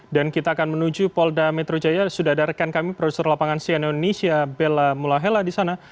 dan kita akan menuju polda metro jaya sudah ada rekan kami produser lapangan sian indonesia bella mulahela disana